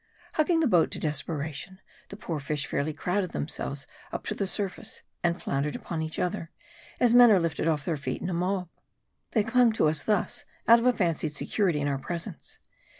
Hugging the boat to desperation, the poor fish fairly crowded themselves up to the surface, and floundered upon each other, as men are lifted off their feet in a mob. They clung to us thus, out of a fancied security in our presence.